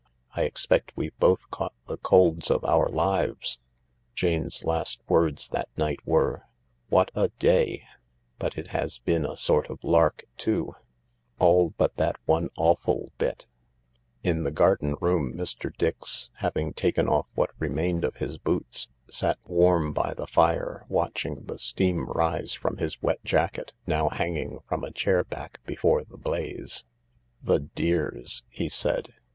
I expect we've both caught the colds of our lives I " Jane's last words that night were :" What a day ! But it has been a sort of lark too ,, f all but that one awful bit," THE LARK 141 H In the garden room Mr. Dix, having taken off what remained of his boots, sat warm by the fire, watching the steam rise from his wet jacket, now hanging from a chair back before the blaze. " The dears !" he said.